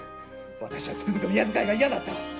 私はつくづく宮仕えが嫌になった。